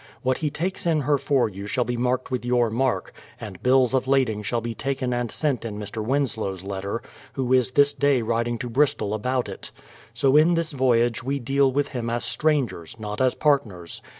What he takes in her for you shall be marked with your mark, and bills of lading shall be taken and sent in Mr. Winslow's letter, who is this day riding to Bristol about it. So in this voyage we deal with him as strangers, not as partners.